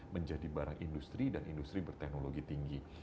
menjadi barang industri dan industri berteknologi tinggi